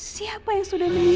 siapa yang sudah menidang